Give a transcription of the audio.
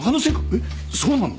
えっそうなの？